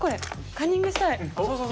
カンニングしたい。